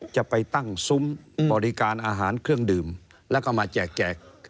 จะไปตั้งซุ้มบริการอาหารเครื่องดื่มแล้วก็มาแจก